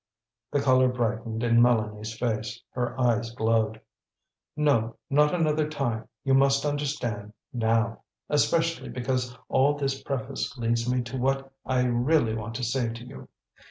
The color brightened in Mélanie's face, her eyes glowed. "No, not another time; you must understand now, especially because all this preface leads me to what I really want to say to you.